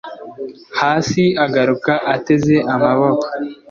hasi agaruka ateze amaboko